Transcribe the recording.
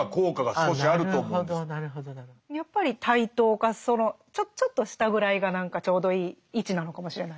やっぱり対等かそのちょっと下ぐらいが何かちょうどいい位置なのかもしれないですね。